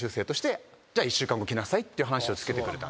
「１週間後来なさい」っていう話をつけてくれたんです。